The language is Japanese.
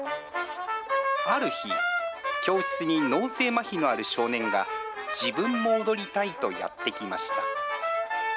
ある日、教室に脳性まひのある少年が、自分も踊りたいとやって来ました。